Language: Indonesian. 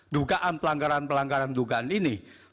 dugaan pelanggaran pelanggaran dugaan ini